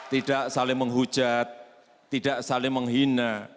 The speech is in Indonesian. tidak saling menghujat tidak saling menghina